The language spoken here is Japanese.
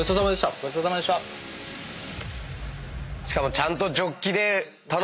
しかもちゃんと。